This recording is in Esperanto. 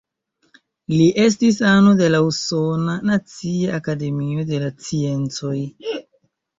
Li estis ano de la Usona nacia Akademio de la Sciencoj.